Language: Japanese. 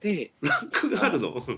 ランクがあるの？